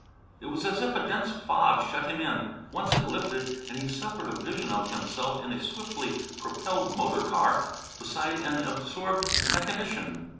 It was as if a dense fog shut him in. Once it lifted and he suffered a vision of himself in a swiftly propelled motor car, beside an absorbed mechanician.